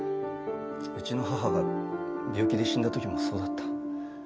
うちの母が病気で死んだ時もそうだった。